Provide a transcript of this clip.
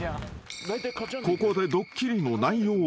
［ここでドッキリの内容を］